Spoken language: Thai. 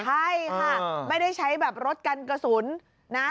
ใช่ค่ะไม่ได้ใช้แบบรถกันกระสุนนะ